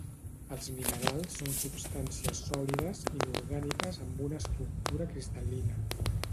Els minerals són substàncies sòlides, inorgàniques amb una estructura cristal·lina